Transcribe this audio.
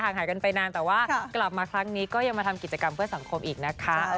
หายกันไปนานแต่ว่ากลับมาครั้งนี้ก็ยังมาทำกิจกรรมเพื่อสังคมอีกนะคะ